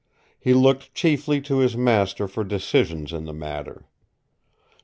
He looked chiefly to his master for decisions in the matter.